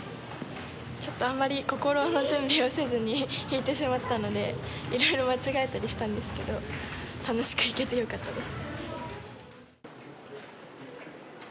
ちょっとあんまり心の準備をせずに弾いてしまったのでいろいろ間違えたりしたんですけど楽しく弾けてよかったです。